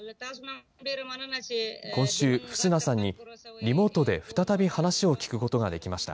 今週、フスナさんにリモートで再び話を聞くことができました。